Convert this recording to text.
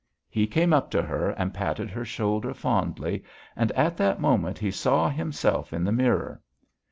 He came up to her and patted her shoulder fondly and at that moment he saw himself in the mirror.